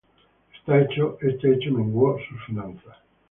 Este hecho menguó sus finanzas.